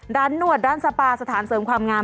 หนวดด้านสปาสถานเสริมความงาม